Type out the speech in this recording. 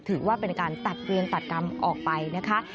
ถือว่าเป็นการตัดเวรตัดกรรมออกไปนะคะ